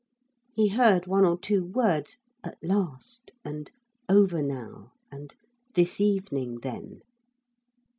He heard one or two words, 'at last,' and 'over now,' and 'this evening, then.'